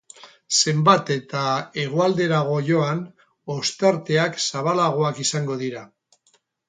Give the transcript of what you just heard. Zenbat eta hegoalderago joan, ostarteakzabalagoak izango dira.